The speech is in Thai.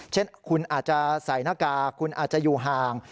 เช่นคุณอาจจะใส่หน้ากากคุณอาจจะอยู่ห่าง